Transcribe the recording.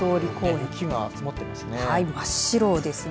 雪が積もっていますね。